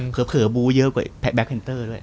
เพอเรียบู๋เยอะกว่าแบล็คเฟรนเตอร์ด้วย